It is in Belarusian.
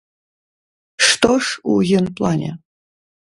Што ж у генплане?